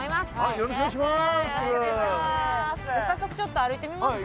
よろしくお願いします。